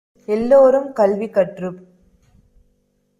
எல்லோரும் கல்வி கற்றுப்